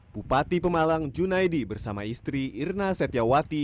bupati pemalang junaidi bersama istri irna setiawati